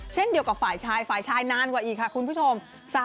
เช่นเดียวกับฝ่ายชายฝ่ายชายนานกว่าอีกค่ะคุณผู้ชม